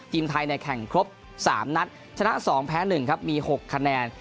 ทีมไทยแข่งครบ๓นัดชนะ๒แพ้๑ครับมี๖คะแนน